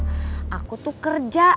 terima kasih bang ojak